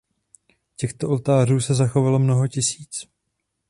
Těchto oltářů se zachovalo mnoho tisíc.